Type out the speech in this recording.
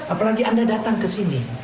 apalagi anda datang ke sini